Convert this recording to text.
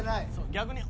逆に。